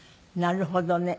なるほどね。